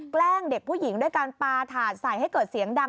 แกล้งเด็กผู้หญิงด้วยการปลาถาดใส่ให้เกิดเสียงดัง